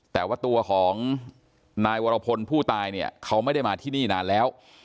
แต่ว่าตัวของนายวรพลผู้ตายเนี่ยเขาไม่ได้มาที่นี่นานแล้ว